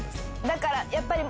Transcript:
だからやっぱり。